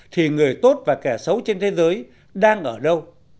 thì người tốt và kẻ xấu trên thế giới đang ở đâu